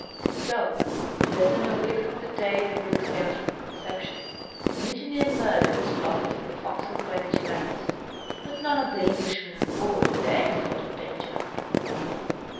And so, in less than a week from the day the brig sailed from Conception, mutiny and murder was plotted in the foc's'cle by the Chilenos, But none of the Englishmen on board had any thought of danger.